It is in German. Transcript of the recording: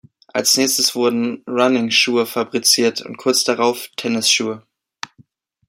Als Nächstes wurden Running-Schuhe fabriziert und kurz darauf Tennis-Schuhe.